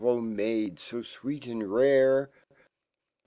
\ X\ Oh Maid, jo sweet and rare!"